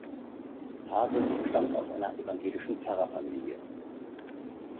Hase stammt aus einer evangelischen Pfarrerfamilie.